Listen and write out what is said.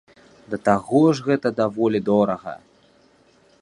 Да таго ж гэта даволі дорага.